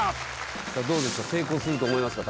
さあどうですか成功すると思いますか？